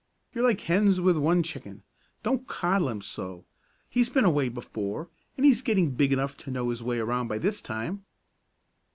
"You're like hens with one chicken. Don't coddle him so. He's been away before, and he's getting big enough to know his way around by this time."